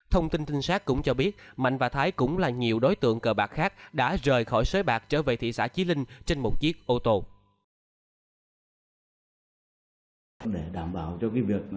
thông tin tinh sát cũng cho biết mạnh và thái cũng là nhiều đối tượng cờ bạc khác đã rời khỏi sới bạc trở về thị xã chí linh trên một chiếc ô tô